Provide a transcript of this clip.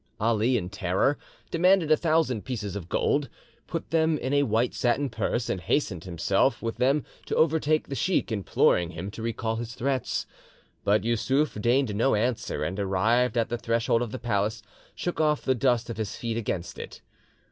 Ali, in terror, demanded a thousand pieces of gold, put them in a white satin purse, and himself hastened with them to overtake the sheik, imploring him to recall his threats. But Yussuf deigned no answer, and arrived at the threshold of the palace, shook off the dust of his feet against it.